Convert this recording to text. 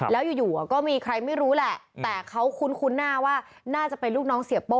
แล้วอยู่ก็มีใครไม่รู้แหละแต่เขาคุ้นหน้าว่าน่าจะเป็นลูกน้องเสียโป้